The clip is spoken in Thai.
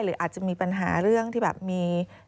หรืออาจจะมีปัญหาเรื่องที่แบบมี